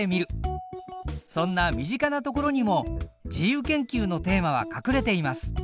そんな身近なところにも自由研究のテーマはかくれています。